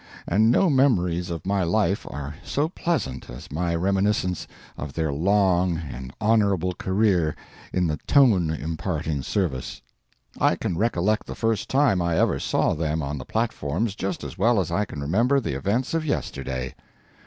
And no memories of my life are so pleasant as my reminiscence, of their long and honorable career in the Tone imparting service. I can recollect the first time I ever saw them on the platforms just as well as I can remember the events of yesterday.